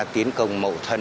tiến công mậu thân